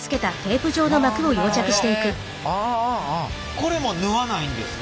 これも縫わないんですか？